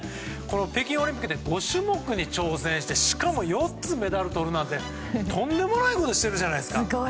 北京オリンピックで５種目に挑戦してしかも４つメダルをとるなんてとんでもないことをしてるじゃないですか。